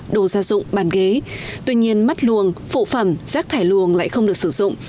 đồ gia dụng bàn ghế tuy nhiên mắt luồng phụ phẩm rác thải luồng lại không được sử dụng